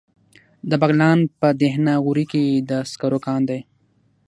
د بغلان په دهنه غوري کې د سکرو کان دی.